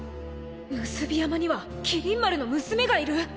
産霊山には麒麟丸の娘がいる！？